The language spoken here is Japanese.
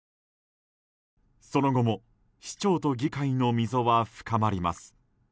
その後も市長と議会の溝は深まります。